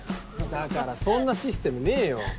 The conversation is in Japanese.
だからそんなシステムねえよ。